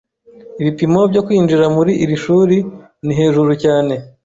Ibipimo byo kwinjira muri iri shuri ni hejuru cyane.